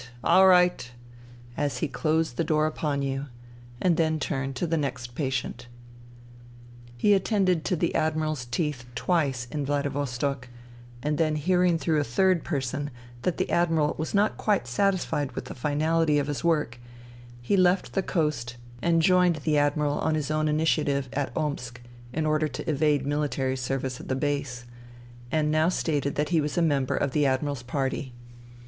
Orright !'* as he closed the door upon you ; and then turn to the next patient. He attended to the Admiral's teeth twice in Vladivostok, and then hearing through a third person that the Admiral was not quite satisfied with the finality of his work, he left the coast and joined the 172 FUTILITY Admiral on his own initiative at Omsk (in order to evade military service at the Base), and now stated that he was a member of the Admiral's party.